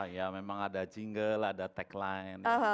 ya memang ada jingle ada tagline